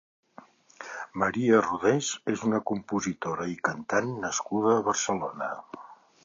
Maria Rodés és una compositora i cantant nascuda a Barcelona.